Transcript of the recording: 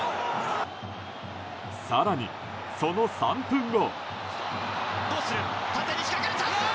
更に、その３分後。